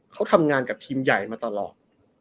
เขาทำงานกับทีมใหญ่มาตลอด